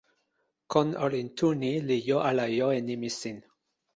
kon olin tu ni o jo ala jo e nimi sin?